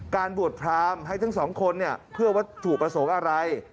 การบวชพร้ำให้ทั้งสองคนเพื่อว่าถูกประสงค์อะไร